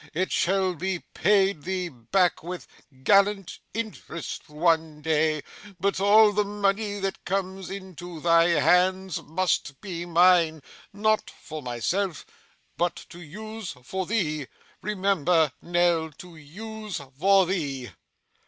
It shall be paid thee back with gallant interest one day, but all the money that comes into thy hands, must be mine not for myself, but to use for thee. Remember, Nell, to use for thee!